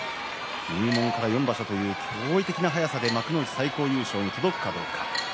入門から４場所という驚異的な速さで幕内最高優勝に届くかどうか。